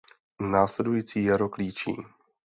Následující jaro klíčí.